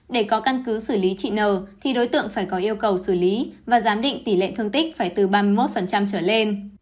để có căn cứ xử lý chị nờ thì đối tượng phải có yêu cầu xử lý và giám định tỷ lệ thương tích phải từ ba mươi một trở lên